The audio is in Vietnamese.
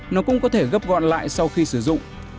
nó cũng có thể gấp gọn lại sau khi sử dụng